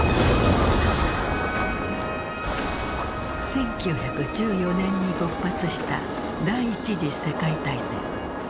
１９１４年に勃発した第一次世界大戦。